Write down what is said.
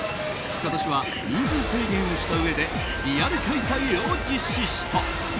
今年は人数制限をしたうえでリアル開催を実施した。